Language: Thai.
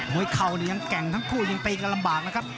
วยเข่านี่ยังแก่งทั้งคู่ยังตีกันลำบากนะครับ